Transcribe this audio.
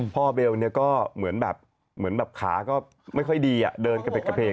พ่อเบลก็เหมือนแบบขาก็ไม่ค่อยดีเดินกระเพกอะไรอย่างนี้